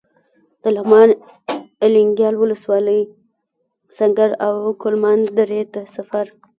د لغمان الینګار ولسوالۍ سنګر او کلمان درې ته سفر.